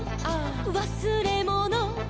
「わすれもの」「」